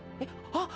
あっ！